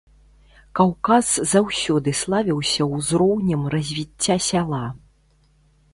Каўказ заўсёды славіўся узроўнем развіцця сяла.